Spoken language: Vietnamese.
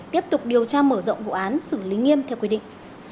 tiếp tục điều tra mở rộng vụ án xử lý nghiêm theo quy định